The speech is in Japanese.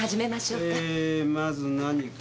えーまず何から？